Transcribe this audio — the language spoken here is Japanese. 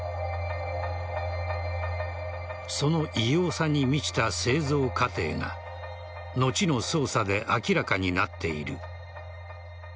その異様さに満ちた製造過程が後の捜査で明らかになっている。